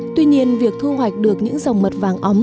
tuy nhiên việc thu hoạch được những dòng mật vàng ống